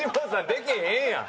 でけへんやん！